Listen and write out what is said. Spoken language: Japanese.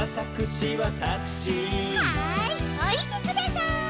はいおりてください。